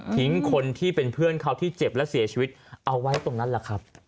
คนที่เป็นเพื่อนเขาที่เจ็บและเสียชีวิตเอาไว้ตรงนั้นแหละครับ